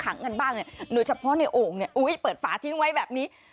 กันบ้างเนี่ยโดยเฉพาะในโอ่งเนี่ยเปิดฝาทิ้งไว้แบบนี้